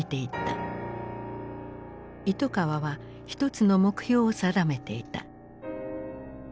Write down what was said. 糸川は一つの目標を定めていた。